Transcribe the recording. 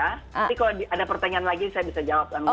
nanti kalau ada pertanyaan lagi saya bisa jawab langsung